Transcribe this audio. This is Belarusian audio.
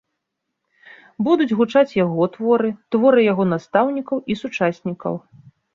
Будуць гучаць яго творы, творы яго настаўнікаў і сучаснікаў.